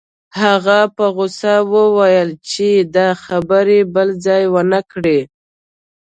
هغه په غوسه وویل چې دا خبرې بل ځای ونه کړې